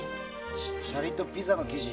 シャリとピザの生地。